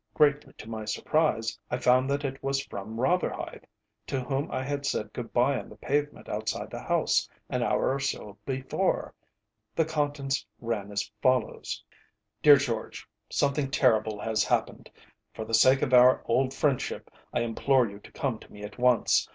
Greatly to my surprise I found that it was from Rotherhithe, to whom I had said good bye on the pavement outside the house an hour or so before. The contents ran as follows: DEAR GEORGE, Something terrible has happened. For the sake of our old friendship I implore you to come to me at once.